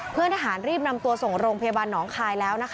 เพื่อนทหารรีบนำตัวส่งโรงพยาบาลหนองคายแล้ว